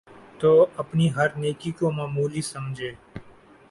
تو اپنی ہر نیکی کو معمولی سمجھے